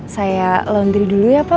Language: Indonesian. saya laundry dulu ya pak